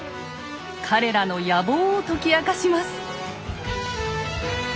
彼らの野望を解き明かします。